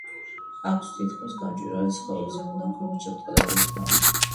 აქვს თითქმის გამჭვირვალე სხეული, ზემოდან ქვემოთ შებრტყელებული თავი.